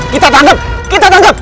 kita tanggep kita tanggep